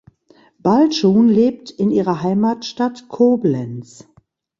Balschun lebt in ihrer Heimatstadt Koblenz.